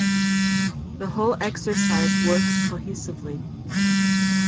The whole exercise works cohesively.